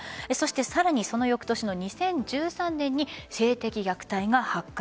さらにその翌年の２０１３年に性的虐待が発覚。